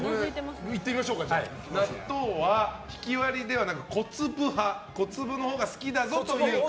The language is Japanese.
納豆はひきわりではなく小粒派小粒のほうが好きだという方。